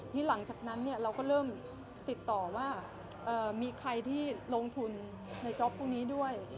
หลังจากนั้นเราก็เริ่มติดต่อว่ามีใครที่ลงทุนในจ๊อปพวกนี้ด้วย